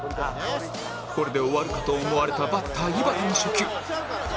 これで終わるかと思われたバッター井端の初球